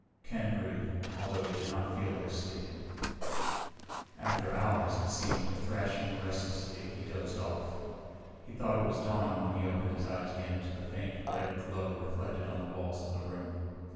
Ken agreed, although he did not feel like sleeping. After hours, it seemed, of thrashing restlessly he dozed off. He thought it was dawn when he opened his eyes again to the faint, red glow reflected on the walls of the room.